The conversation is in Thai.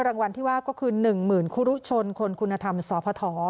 รางวัลที่ว่าก็คือ๑หมื่นคุรุชนคนคุณธรรมสพ